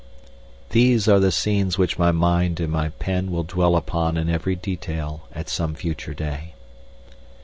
These are the scenes which my mind and my pen will dwell upon in every detail at some future day.